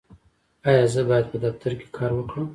ایا زه باید په دفتر کې کار وکړم؟